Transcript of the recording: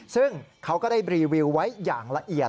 ซึ่งเขาก็ได้รีวิวไว้อย่างละเอียด